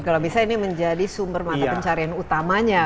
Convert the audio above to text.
kalau bisa ini menjadi sumber mata pencarian utamanya